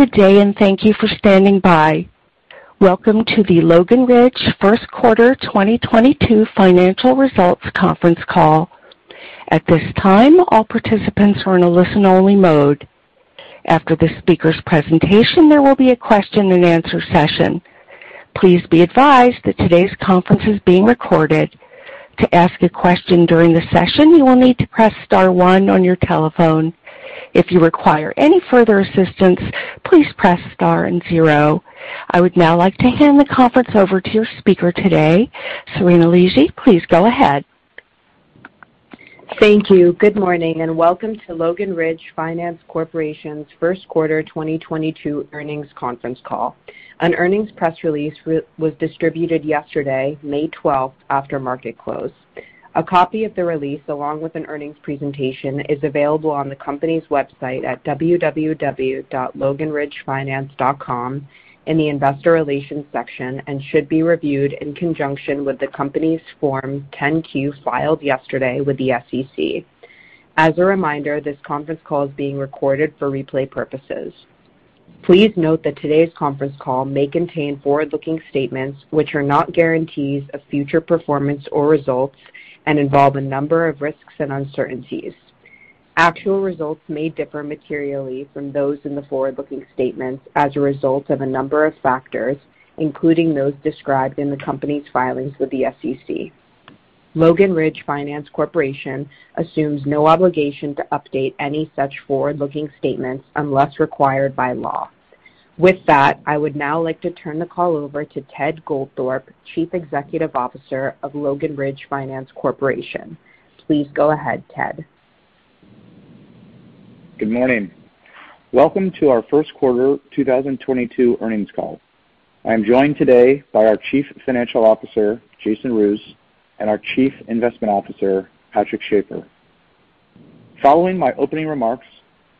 Good day, and thank you for standing by. Welcome to the Logan Ridge First Quarter 2022 Financial Results Conference Call. At this time, all participants are in a listen-only mode. After the speaker's presentation, there will be a question-and-answer session. Please be advised that today's conference is being recorded. To ask a question during the session, you will need to press star one on your telephone. If you require any further assistance, please press star and zero. I would now like to hand the conference over to your speaker today. Serena Liegey, please go ahead. Thank you. Good morning and welcome to Logan Ridge Finance Corporation's first quarter 2022 earnings conference call. An earnings press release was distributed yesterday, May 12, after market close. A copy of the release, along with an earnings presentation, is available on the company's website at www.loganridgefinance.com in the investor relations section and should be reviewed in conjunction with the company's Form 10-Q filed yesterday with the SEC. As a reminder, this conference call is being recorded for replay purposes. Please note that today's conference call may contain forward-looking statements which are not guarantees of future performance or results and involve a number of risks and uncertainties. Actual results may differ materially from those in the forward-looking statements as a result of a number of factors, including those described in the company's filings with the SEC. Logan Ridge Finance Corporation assumes no obligation to update any such forward-looking statements unless required by law. With that, I would now like to turn the call over to Ted Goldthorpe, Chief Executive Officer of Logan Ridge Finance Corporation. Please go ahead, Ted. Good morning. Welcome to our first quarter 2022 earnings call. I am joined today by our Chief Financial Officer, Jason Roos, and our Chief Investment Officer, Patrick Schafer. Following my opening remarks,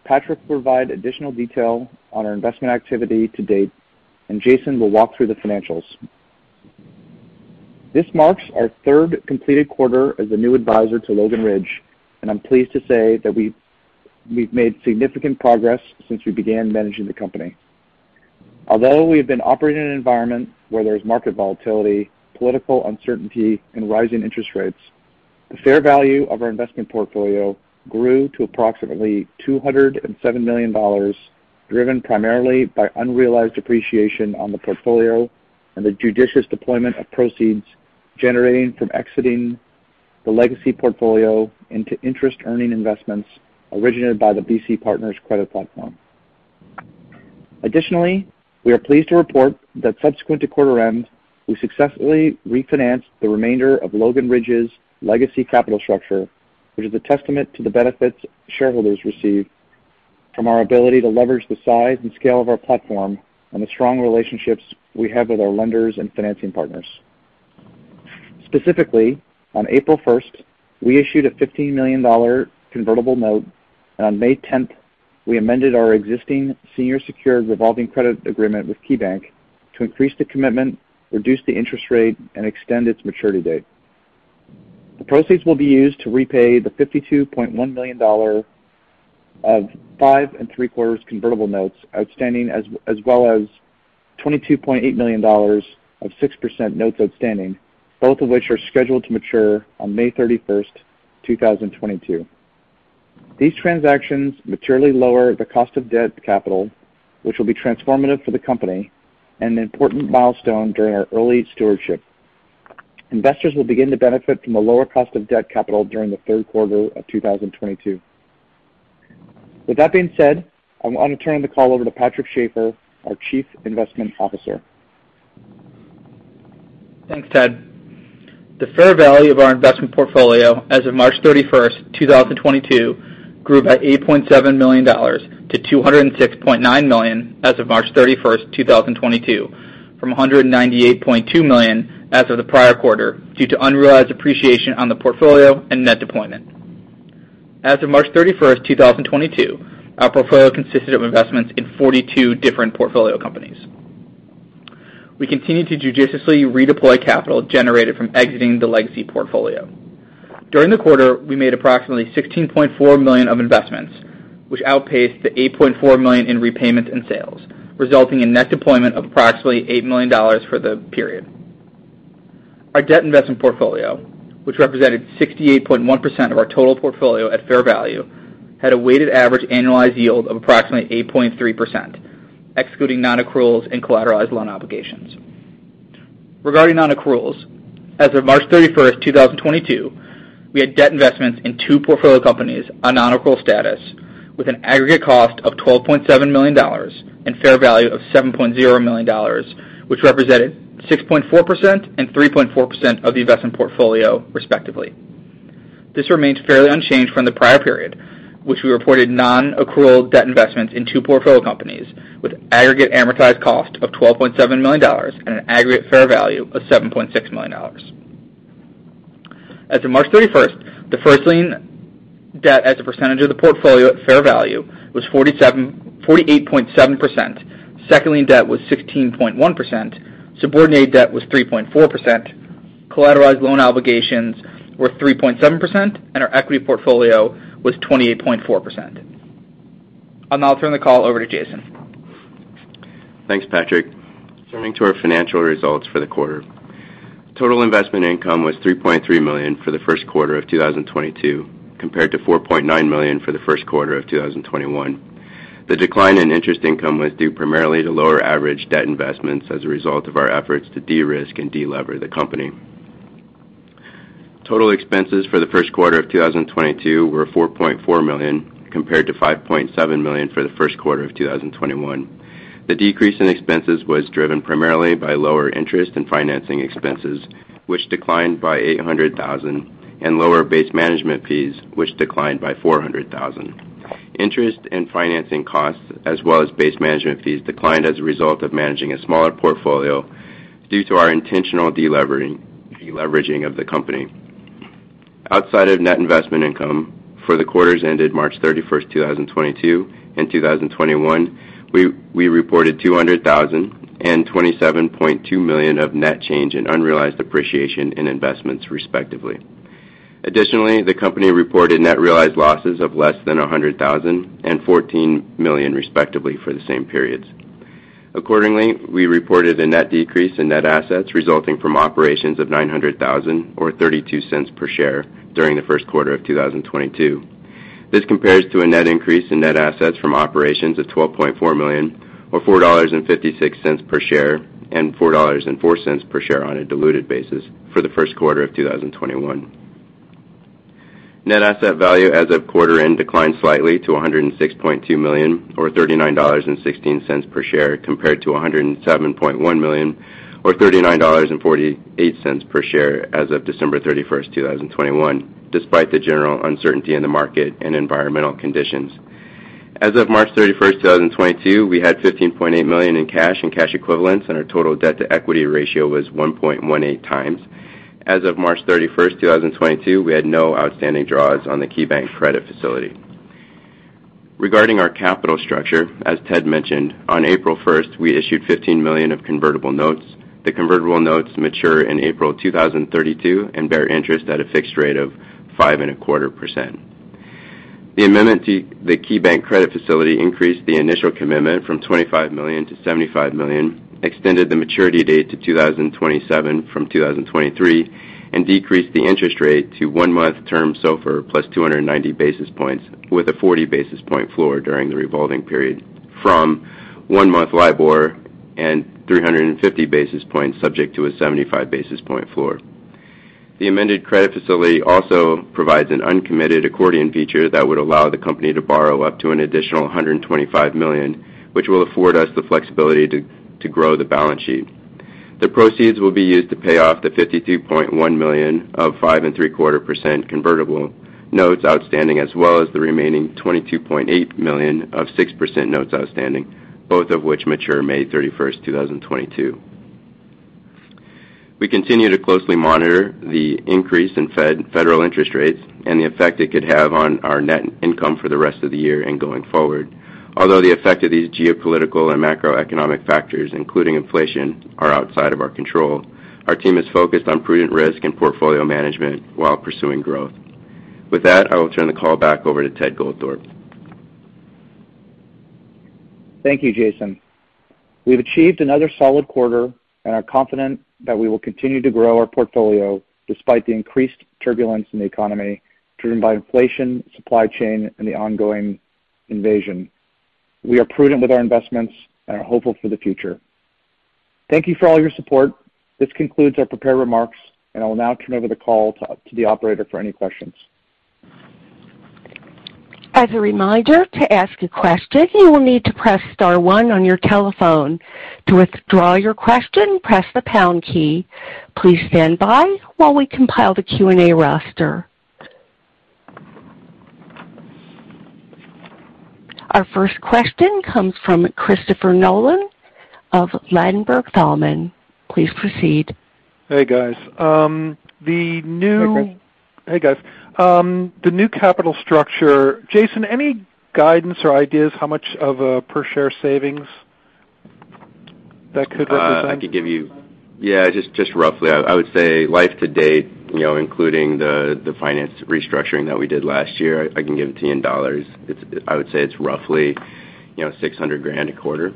Patrick will provide additional detail on our investment activity to date, and Jason will walk through the financials. This marks our third completed quarter as a new advisor to Logan Ridge, and I'm pleased to say that we've made significant progress since we began managing the company. Although we have been operating in an environment where there is market volatility, political uncertainty, and rising interest rates, the fair value of our investment portfolio grew to approximately $207 million, driven primarily by unrealized appreciation on the portfolio and the judicious deployment of proceeds generating from exiting the legacy portfolio into interest-earning investments originated by the BC Partners credit platform. Additionally, we are pleased to report that subsequent to quarter end, we successfully refinanced the remainder of Logan Ridge's legacy capital structure, which is a testament to the benefits shareholders receive from our ability to leverage the size and scale of our platform and the strong relationships we have with our lenders and financing partners. Specifically, on April first, we issued a $50 million convertible note. On May 10th, we amended our existing senior secured revolving credit agreement with KeyBank to increase the commitment, reduce the interest rate, and extend its maturity date. The proceeds will be used to repay the $52.1 million of 5.75% convertible notes outstanding, as well as $22.8 million of 6% notes outstanding, both of which are scheduled to mature on May 31st, 2022. These transactions materially lower the cost of debt capital, which will be transformative for the company and an important milestone during our early stewardship. Investors will begin to benefit from a lower cost of debt capital during the third quarter of 2022. With that being said, I'm gonna turn the call over to Patrick Schafer, our Chief Investment Officer. Thanks, Ted. The fair value of our investment portfolio as of March 31st, 2022, grew by $8.7 million-$206.9 million as of March 31st, 2022, from $198.2 million as of the prior quarter, due to unrealized appreciation on the portfolio and net deployment. As of March 31st, 2022, our portfolio consisted of investments in 42 different portfolio companies. We continue to judiciously redeploy capital generated from exiting the legacy portfolio. During the quarter, we made approximately $16.4 million of investments, which outpaced the $8.4 million in repayments and sales, resulting in net deployment of approximately $8 million for the period. Our debt investment portfolio, which represented 68.1% of our total portfolio at fair value, had a weighted average annualized yield of approximately 8.3%, excluding non-accruals and collateralized loan obligations. Regarding non-accruals, as of March 31st, 2022, we had debt investments in two portfolio companies on non-accrual status with an aggregate cost of $12.7 million and fair value of $7.0 million, which represented 6.4% and 3.4% of the investment portfolio, respectively. This remains fairly unchanged from the prior period, which we reported non-accrual debt investments in two portfolio companies with aggregate amortized cost of $12.7 million and an aggregate fair value of $7.6 million. As of March 31st, the first lien debt as a percentage of the portfolio at fair value was 48.7%. Second lien debt was 16.1%. Subordinate debt was 3.4%. Collateralized loan obligations were 3.7%, and our equity portfolio was 28.4%. I'll now turn the call over to Jason. Thanks Patrick. Turning to our financial results for the quarter. Total investment income was $3.3 million for the first quarter of 2022, compared to $4.9 million for the first quarter of 2021. The decline in interest income was due primarily to lower average debt investments as a result of our efforts to de-risk and de-lever the company. Total expenses for the first quarter of 2022 were $4.4 million, compared to $5.7 million for the first quarter of 2021. The decrease in expenses was driven primarily by lower interest and financing expenses, which declined by $800,000, and lower base management fees, which declined by $400,000. Interest in financing costs as well as base management fees declined as a result of managing a smaller portfolio due to our intentional deleveraging of the company. Outside of net investment income for the quarters ended March 31st, 2022 and 2021, we reported $200,000 and $27.2 million of net change in unrealized appreciation in investments, respectively. Additionally, the company reported net realized losses of less than $100,000 and $14 million, respectively, for the same periods. Accordingly, we reported a net decrease in net assets resulting from operations of $900,000 or $0.32 per share during the first quarter of 2022. This compares to a net increase in net assets from operations of $12.4 million or $4.56 per share, and $4.04 per share on a diluted basis for the first quarter of 2021. Net asset value as of quarter end declined slightly to $106.2 million or $39.16 per share, compared to $107.1 million or $39.48 per share as of December 31st, 2021, despite the general uncertainty in the market and environmental conditions. As of March 31st, 2022, we had $15.8 million in cash and cash equivalents, and our total debt-to-equity ratio was 1.18x. As of March 31st, 2022, we had no outstanding draws on the KeyBank credit facility. Regarding our capital structure, as Ted mentioned, on April 1st, we issued $15 million of convertible notes. The convertible notes mature in April 2032 and bear interest at a fixed rate of 5.25%. The amendment to the KeyBank credit facility increased the initial commitment from $25 million to $75 million, extended the maturity date to 2027 from 2023, and decreased the interest rate to one-month term SOFR plus 290 basis points with a 40 basis point floor during the revolving period from one-month LIBOR plus 350 basis points subject to a 75 basis point floor. The amended credit facility also provides an uncommitted accordion feature that would allow the company to borrow up to an additional $125 million, which will afford us the flexibility to grow the balance sheet. The proceeds will be used to pay off the $52.1 million of 5.75% convertible notes outstanding, as well as the remaining $22.8 million of 6% notes outstanding, both of which mature May 31st, 2022. We continue to closely monitor the increase in federal interest rates and the effect it could have on our net income for the rest of the year and going forward. Although the effect of these geopolitical and macroeconomic factors, including inflation, are outside of our control, our team is focused on prudent risk and portfolio management while pursuing growth. With that, I will turn the call back over to Ted Goldthorpe. Thank you, Jason. We've achieved another solid quarter and are confident that we will continue to grow our portfolio despite the increased turbulence in the economy driven by inflation, supply chain, and the ongoing invasion. We are prudent with our investments and are hopeful for the future. Thank you for all your support. This concludes our prepared remarks, and I will now turn over the call to the operator for any questions. As a reminder, to ask a question, you will need to press star one on your telephone. To withdraw your question, press the pound key. Please stand by while we compile the Q&A roster. Our first question comes from Christopher Nolan of Ladenburg Thalmann. Please proceed. Hey, guys. Hey, Chris. Hey, guys. The new capital structure, Jason, any guidance or ideas how much of a per share savings that could represent? I could give you just roughly. I would say life to date, you know, including the finance restructuring that we did last year, I can give it to you in dollars. It's roughly, you know, $600,000 a quarter.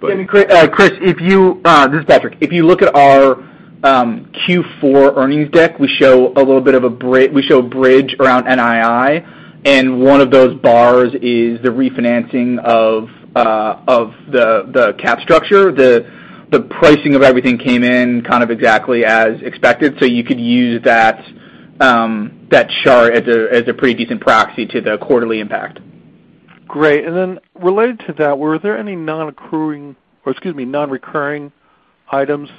Christopher Nolan, this is Patrick Schafer. If you look at our Q4 earnings deck, we show a little bit of a bridge around NII, and one of those bars is the refinancing of the capital structure. The pricing of everything came in kind of exactly as expected, so you could use that chart as a pretty decent proxy to the quarterly impact. Great. Related to that, were there any non-recurring items,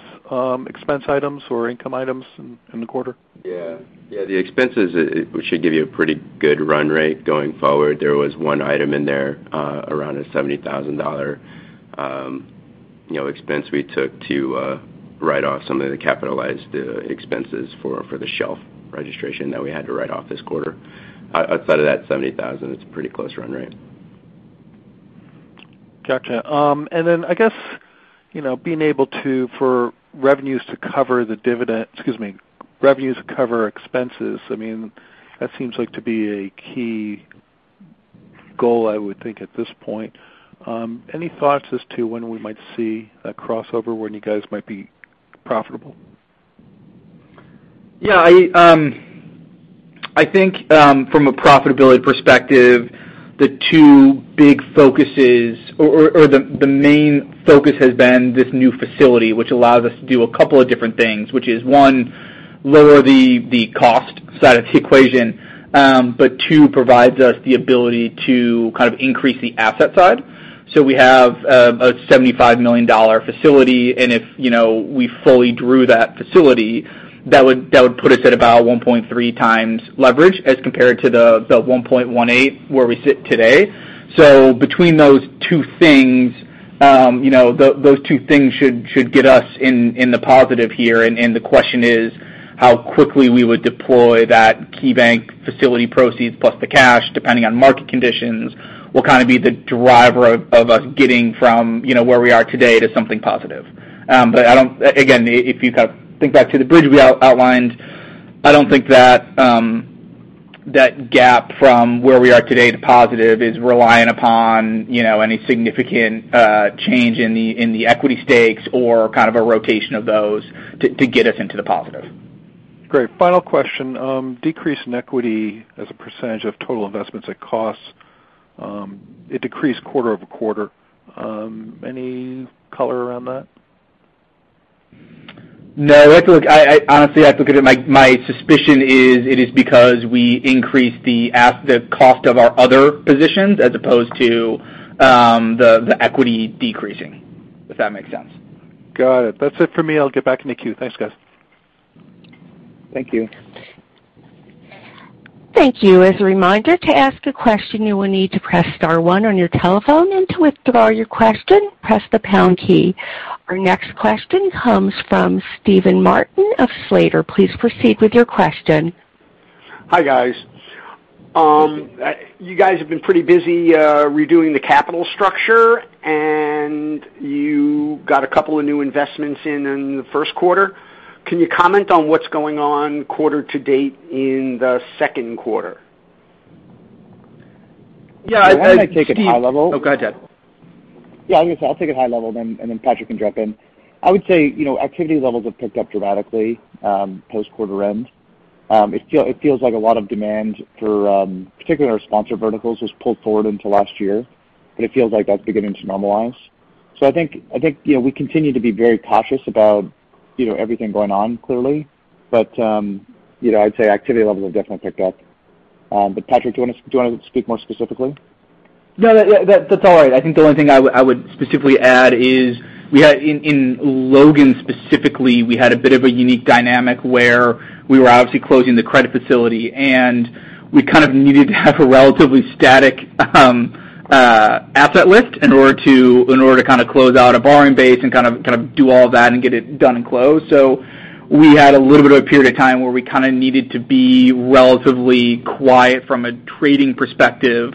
expense items or income items in the quarter? Yeah. The expenses, it should give you a pretty good run rate going forward. There was one item in there, around a $70,000, you know, expense we took to write off some of the capitalized expenses for the shelf registration that we had to write off this quarter. Outside of that $70,000, it's a pretty close run rate. Gotcha. I guess, you know, revenues cover expenses, I mean, that seems like to be a key goal, I would think, at this point. Any thoughts as to when we might see a crossover when you guys might be profitable? Yeah. I think from a profitability perspective, the two big focuses or the main focus has been this new facility, which allows us to do a couple of different things, which is one, lower the cost side of the equation, but two, provides us the ability to kind of increase the asset side. We have a $75 million facility, and if we fully drew that facility, that would put us at about 1.3x leverage as compared to the 1.18x where we sit today. Between those two things, those two things should get us in the positive here. The question is how quickly we would deploy that KeyBank facility proceeds plus the cash, depending on market conditions, will kind of be the driver of us getting from, you know, where we are today to something positive. Again, if you kind of think back to the bridge we outlined, I don't think that that gap from where we are today to positive is reliant upon, you know, any significant change in the equity stakes or kind of a rotation of those to get us into the positive. Great. Final question. Decrease in equity as a percentage of total investments at cost, it decreased quarter-over-quarter. Any color around that? No. I have to look. Honestly, I have to look at it. My suspicion is it is because we increased the cost of our other positions as opposed to the equity decreasing, if that makes sense. Got it. That's it for me. I'll get back in the queue. Thanks, guys. Thank you. Thank you. As a reminder, to ask a question, you will need to press star one on your telephone, and to withdraw your question, press the pound key. Our next question comes from Steven Martin of Slater. Please proceed with your question. Hi, guys. You guys have been pretty busy redoing the capital structure, and you got a couple of new investments in the first quarter. Can you comment on what's going on quarter to date in the second quarter? Yeah. Why don't I take it high level? Oh, go ahead, Ted. Yeah, I was gonna say, I'll take it high level then, and then Patrick can drop in. I would say, you know, activity levels have picked up dramatically post quarter end. It feels like a lot of demand for particularly our sponsor verticals was pulled forward into last year, but it feels like that's beginning to normalize. I think, you know, we continue to be very cautious about, you know, everything going on clearly. You know, I'd say activity levels have definitely picked up. Patrick, do you wanna speak more specifically? No. Yeah, that's all right. I think the only thing I would specifically add is we had in Logan, specifically, we had a bit of a unique dynamic where we were obviously closing the credit facility, and we kind of needed to have a relatively static asset list in order to kind of close out a borrowing base and kind of do all of that and get it done and closed. We had a little bit of a period of time where we kinda needed to be relatively quiet from a trading perspective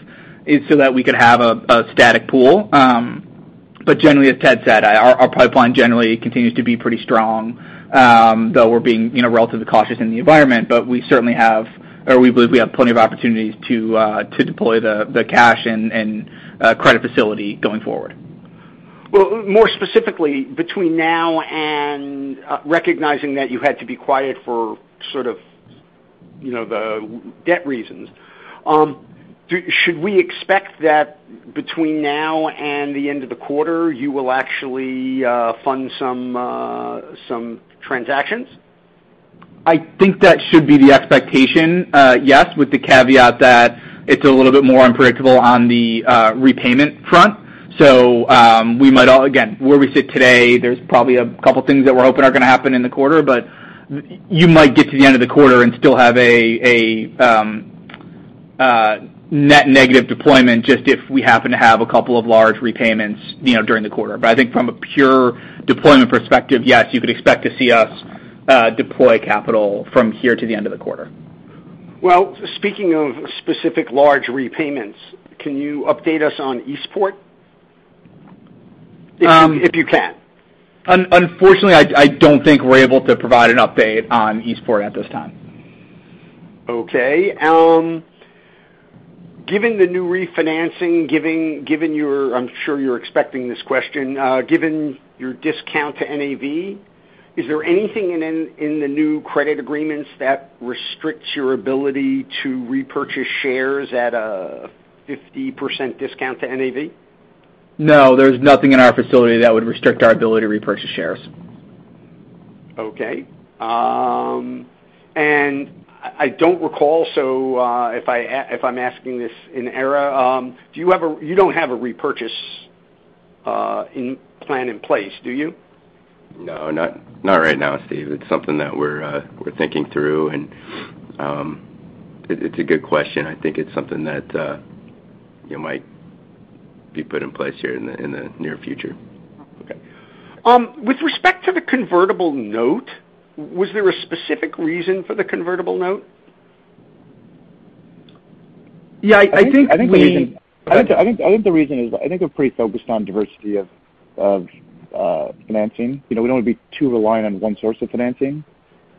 so that we could have a static pool. Generally, as Ted said, our pipeline generally continues to be pretty strong, though we're being, you know, relatively cautious in the environment. We certainly have or we believe we have plenty of opportunities to deploy the cash and credit facility going forward. Well, more specifically, between now and recognizing that you had to be quiet for sort of, you know, the debt reasons, should we expect that between now and the end of the quarter, you will actually fund some transactions? I think that should be the expectation, yes, with the caveat that it's a little bit more unpredictable on the repayment front. Again, where we sit today, there's probably a couple things that we're hoping are gonna happen in the quarter, but you might get to the end of the quarter and still have a net negative deployment just if we happen to have a couple of large repayments, you know, during the quarter. But I think from a pure deployment perspective, yes, you could expect to see us deploy capital from here to the end of the quarter. Well, speaking of specific large repayments, can you update us on Eastport? Um. If you can. Unfortunately, I don't think we're able to provide an update on Eastport at this time. Okay. Given the new refinancing, I'm sure you're expecting this question. Given your discount to NAV, is there anything in the new credit agreements that restricts your ability to repurchase shares at a 50% discount to NAV? No, there's nothing in our facility that would restrict our ability to repurchase shares. Okay, I don't recall. If I'm asking this in error, you don't have a repurchase plan in place, do you? No. Not right now, Steven. It's something that we're thinking through, and it's a good question. I think it's something that you know, might be put in place here in the near future. Okay. With respect to the convertible note, was there a specific reason for the convertible note? Yeah, I think. I think the reason is, I think we're pretty focused on diversity of financing. You know, we don't wanna be too reliant on one source of financing.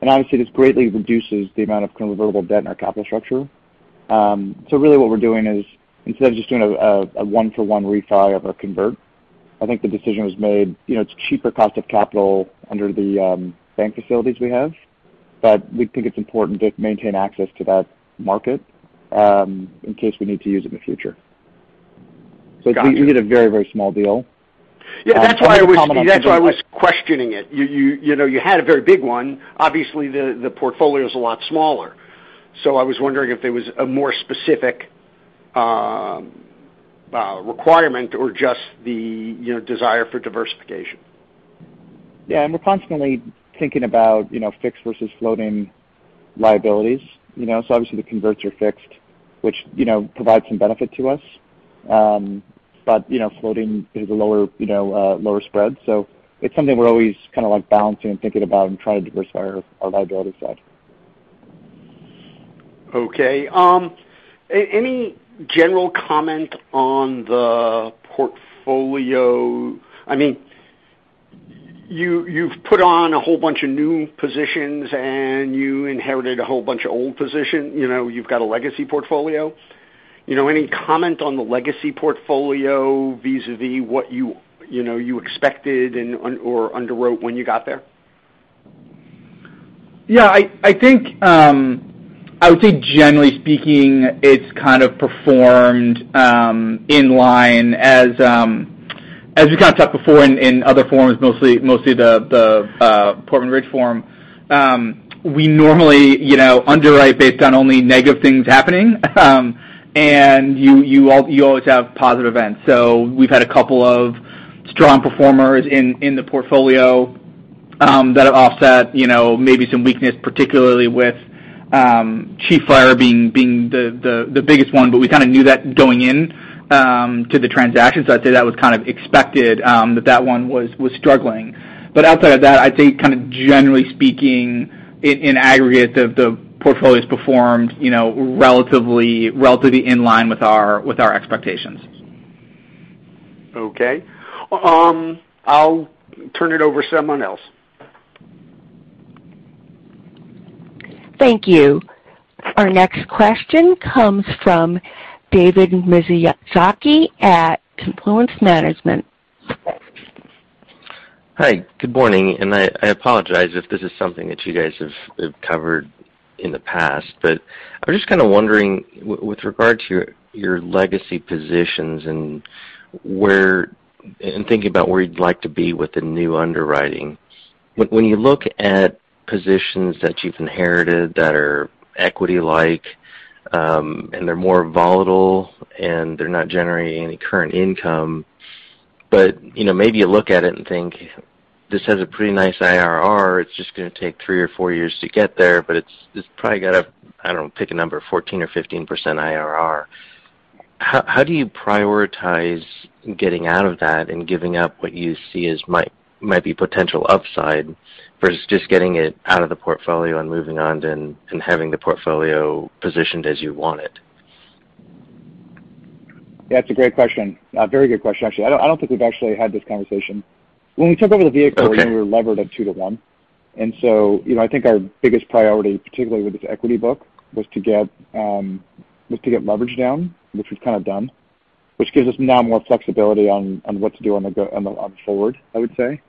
Obviously, this greatly reduces the amount of convertible debt in our capital structure. So really what we're doing is instead of just doing a one-for-one refi of our convert. I think the decision was made, you know, it's cheaper cost of capital under the bank facilities we have, but we think it's important to maintain access to that market in case we need to use it in the future. Got it. It's a very, very small deal. Yeah, that's why I was questioning it. You know, you had a very big one. Obviously, the portfolio is a lot smaller. I was wondering if there was a more specific requirement or just, you know, the desire for diversification. Yeah. We're constantly thinking about, you know, fixed versus floating liabilities, you know. Obviously the converts are fixed, which, you know, provides some benefit to us. You know, floating is a lower, you know, lower spread. It's something we're always kinda like balancing and thinking about and trying to diversify our our liability side. Okay. Any general comment on the portfolio? I mean, you've put on a whole bunch of new positions and you inherited a whole bunch of old position. You know, you've got a legacy portfolio. You know, any comment on the legacy portfolio vis-à-vis what you know, you expected and or underwrote when you got there? Yeah, I think I would say generally speaking, it's kind of performed in line as we kind of talked before in other forums, mostly the Portman Ridge forum. We normally, you know, underwrite based on only negative things happening, and you always have positive events. We've had a couple of strong performers in the portfolio that have offset, you know, maybe some weakness, particularly with Chief Fire being the biggest one, but we kinda knew that going in to the transaction. I'd say that was kind of expected, that one was struggling. Outside of that, I think kinda generally speaking, in aggregate, the portfolio's performed, you know, relatively in line with our expectations. Okay. I'll turn it over to someone else. Thank you. Our next question comes from David Miyazaki at Confluence Investment Management. Hi. Good morning, and I apologize if this is something that you guys have covered in the past, but I was just kinda wondering with regard to your legacy positions and where, in thinking about where you'd like to be with the new underwriting. When you look at positions that you've inherited that are equity-like, and they're more volatile and they're not generating any current income, but you know, maybe you look at it and think this has a pretty nice IRR, it's just gonna take three or four years to get there, but it's probably got a, I don't know, pick a number, 14% or 15% IRR. How do you prioritize getting out of that and giving up what you see as might be potential upside versus just getting it out of the portfolio and moving on then and having the portfolio positioned as you want it? That's a great question. A very good question, actually. I don't think we've actually had this conversation. When we took over the vehicle. Okay. We were levered at two to one. You know, I think our biggest priority, particularly with this equity book, was to get leverage down, which is kind of done, which gives us now more flexibility on what to do going forward, I would say.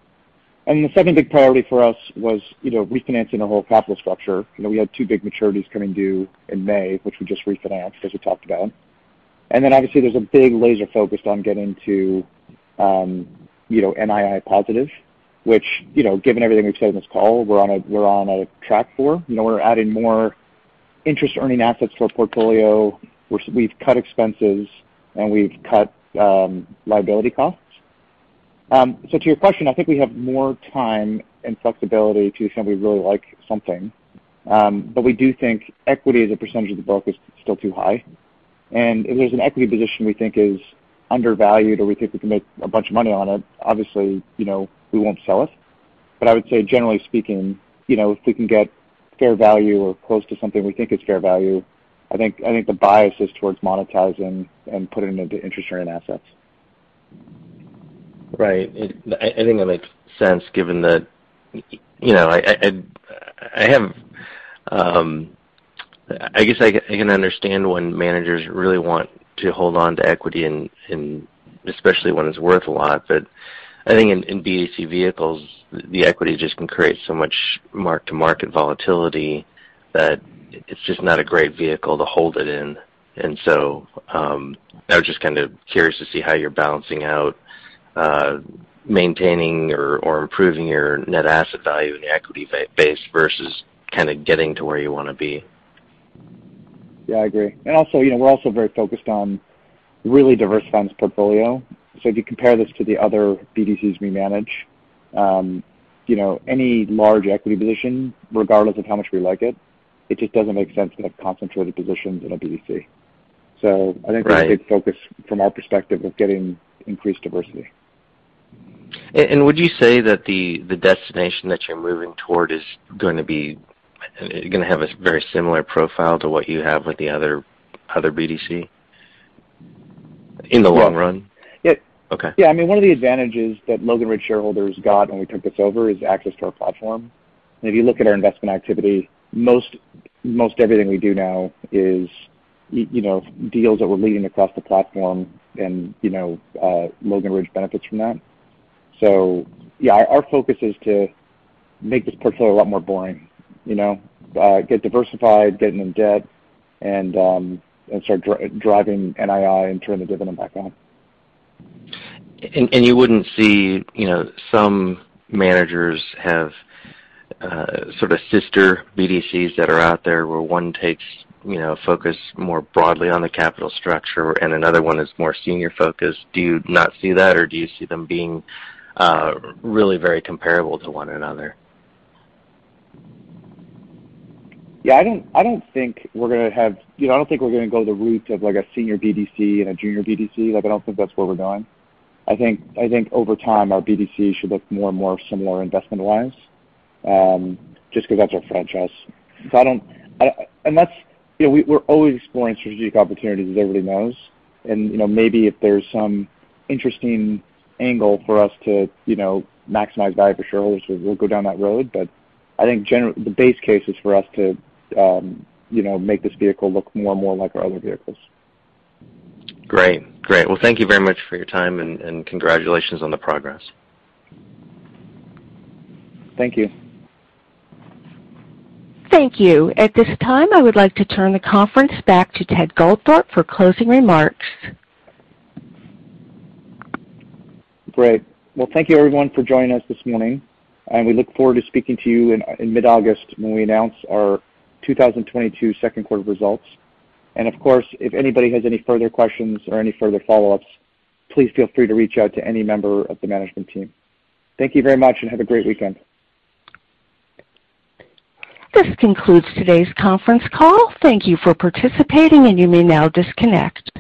The second big priority for us was, you know, refinancing the whole capital structure. You know, we had two big maturities coming due in May, which we just refinanced, as we talked about. Obviously, there's a big laser focused on getting to, you know, NII positive, which, you know, given everything we've said in this call, we're on a track for. You know, we're adding more interest earning assets to our portfolio. We've cut expenses, and we've cut liability costs. To your question, I think we have more time and flexibility to say we really like something. We do think equity as a percentage of the book is still too high. If there's an equity position we think is undervalued or we think we can make a bunch of money on it, obviously, you know, we won't sell it. I would say generally speaking, you know, if we can get fair value or close to something we think is fair value, I think the bias is towards monetizing and putting them into interest earning assets. Right. I think that makes sense given that, you know, I guess I can understand when managers really want to hold on to equity and especially when it's worth a lot. I think in BDC vehicles, the equity just can create so much mark-to-market volatility that it's just not a great vehicle to hold it in. I was just kind of curious to see how you're balancing out maintaining or improving your net asset value and equity base versus kinda getting to where you wanna be. Yeah, I agree. Also, you know, we're also very focused on really diversified funds portfolio. If you compare this to the other BDCs we manage, you know, any large equity position, regardless of how much we like it just doesn't make sense to have concentrated positions in a BDC. Right. I think the big focus from our perspective of getting increased diversity. Would you say that the destination that you're moving toward is gonna have a very similar profile to what you have with the other BDC in the long run? Yeah. Okay. Yeah. I mean, one of the advantages that Logan Ridge shareholders got when we took this over is access to our platform. If you look at our investment activity, most everything we do now is, you know, deals that we're leading across the platform and, you know, Logan Ridge benefits from that. Yeah, our focus is to make this portfolio a lot more boring, you know, get diversified, getting into debt and start driving NII and turn the dividend back on. You wouldn't see, you know, some managers have sort of sister BDCs that are out there where one takes, you know, focus more broadly on the capital structure and another one is more senior focused. Do you not see that? Do you see them being really very comparable to one another? You know, I don't think we're gonna go the route of, like, a senior BDC and a junior BDC. Like, I don't think that's where we're going. I think over time, our BDC should look more and more similar investment-wise, just 'cause that's our franchise. Unless, you know, we're always exploring strategic opportunities as everybody knows. You know, maybe if there's some interesting angle for us to, you know, maximize value for shareholders, we'll go down that road. I think the base case is for us to, you know, make this vehicle look more and more like our other vehicles. Great. Well, thank you very much for your time, and congratulations on the progress. Thank you. Thank you. At this time, I would like to turn the conference back to Ted Goldthorpe for closing remarks. Great. Well, thank you everyone for joining us this morning, and we look forward to speaking to you in mid-August when we announce our 2022 second quarter results. Of course, if anybody has any further questions or any further follow-ups, please feel free to reach out to any member of the management team. Thank you very much and have a great weekend. This concludes today's conference call. Thank you for participating, and you may now disconnect.